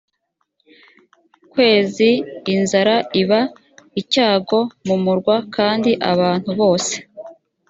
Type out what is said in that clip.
kwezi inzara iba icyago mu murwa kandi abantu bose